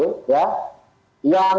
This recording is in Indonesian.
yang di tengah raih jenis bomber